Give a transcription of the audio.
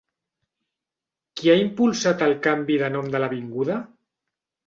Qui ha impulsat el canvi de nom de l'avinguda?